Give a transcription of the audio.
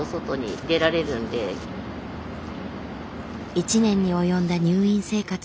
１年に及んだ入院生活。